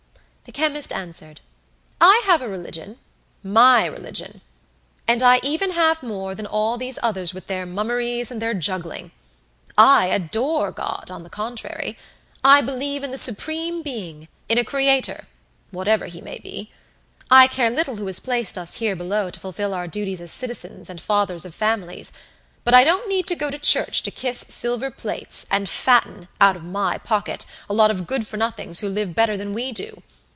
The chemist answered: "I have a religion, my religion, and I even have more than all these others with their mummeries and their juggling. I adore God, on the contrary. I believe in the Supreme Being, in a Creator, whatever he may be. I care little who has placed us here below to fulfil our duties as citizens and fathers of families; but I don't need to go to church to kiss silver plates, and fatten, out of my pocket, a lot of good for nothings who live better than we do.